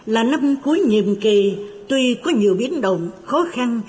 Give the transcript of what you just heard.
là năm cuối nhiệm kỳ tuy có nhiều biến động khó khăn